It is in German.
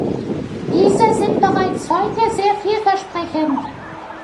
Diese sind bereits heute sehr vielversprechend.